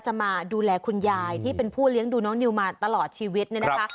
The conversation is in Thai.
มาดูแลคุณยายที่เป็นผู้เลี้ยงดูน้องนิวมาตลอดชีวิตเนี่ยนะคะ